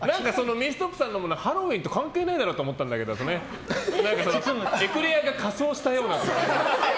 ミニストップさんのはハロウィーンと関係ないだろって思ったんだけどエクレアが仮装したようなっていう。